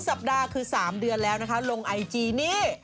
สัปดาห์คือ๓เดือนแล้วนะคะลงไอจีนี่